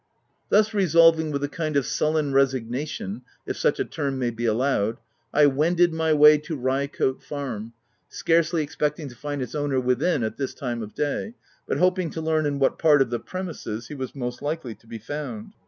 Thus resolving, with a kind of sullen resig nation, if such a term may be allowed, I wended my way to Ryecote Farm, scarcely expecting to find its owner within at this time of day, p but hoping to learn in what part of the pre mises he was most likely to be found.